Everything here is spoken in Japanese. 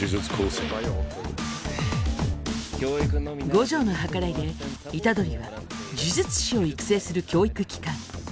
五条の計らいで虎杖は呪術師を育成する教育機関